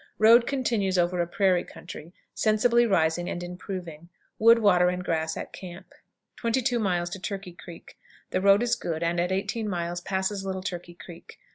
Road continues over a prairie country, sensibly rising and improving. Wood, water, and grass at camp. 22. Turkey Creek. The road is good, and at 18 miles passes Little Turkey Creek.